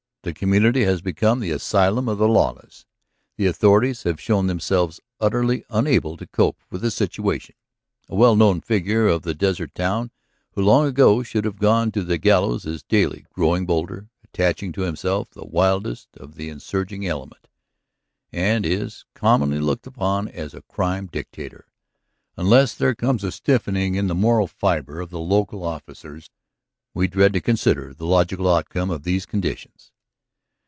The community has become the asylum of the lawless. The authorities have shown themselves utterly unable to cope with the situation. A well known figure of the desert town who long ago should have gone to the gallows is daily growing bolder, attaching to himself the wildest of the insurging element, and is commonly looked upon as a crime dictator. Unless there comes a stiffening in the moral fiber of the local officers, we dread to consider the logical outcome of these conditions."